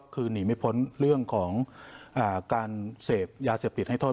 คือนี่ไม่พ้นเรื่องของการเศษยาเสพฤตให้ทด